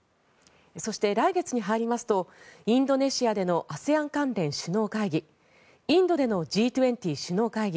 そして、来月に入りますとインドネシアでのＡＳＥＡＮ関連首脳会議インドでのＧ２０首脳会議